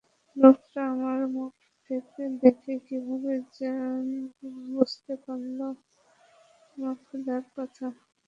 লোকটা আমার মুখ দেখেই কীভাবে যেন বুঝতে পারল আমার ক্ষুধার কথা।